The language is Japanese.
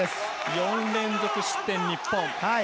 ４連続失点、日本。